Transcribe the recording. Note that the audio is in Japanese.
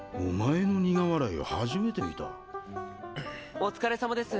お疲れさまです。